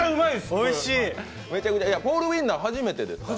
ポールウインナー、初めてですか。